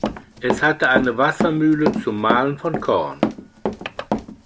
Es hatte eine Wassermühle zum Mahlen von Korn.